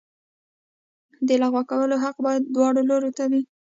د لغوه کولو حق باید دواړو لورو ته وي.